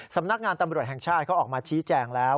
สำนักงานตำรวจแห่งชาติเขาออกมาชี้แจงแล้ว